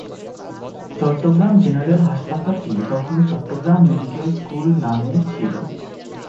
Chittagong general হাসপাতালটি তখন Chittagong medical school নামে ছিল।